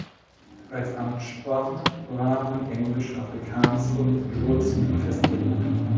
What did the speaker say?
Als Amtssprachen waren Englisch, Afrikaans und Lozi festgelegt.